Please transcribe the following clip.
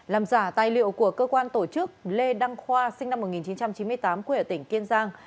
làm giả tài liệu của cơ quan tổ chức lê đăng khoa sinh năm một nghìn chín trăm chín mươi tám quê ở tỉnh kiên giang